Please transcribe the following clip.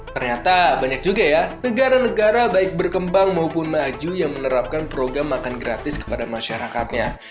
ternyata banyak juga ya negara negara baik berkembang maupun maju yang menerapkan program makan gratis kepada masyarakatnya